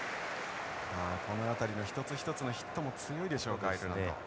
この辺りの一つ一つのヒットも強いでしょうかアイルランド。